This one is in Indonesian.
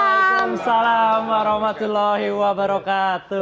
waalaikumsalam warahmatullahi wabarakatuh